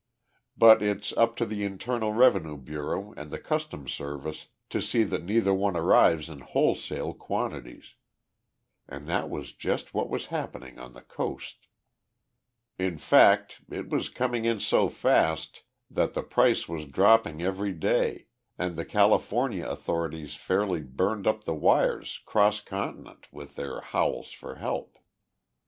But it's up to the Internal Revenue Bureau and the Customs Service to see that neither one arrives in wholesale quantities. And that was just what was happening on the Coast. In fact, it was coming in so fast that the price was dropping every day and the California authorities fairly burned up the wires 'cross continent with their howls for help.